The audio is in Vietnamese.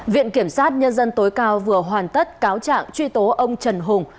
viện kiểm sát nhân dân tối cao vừa hoàn tất cáo trạng truy tố ông trần hùng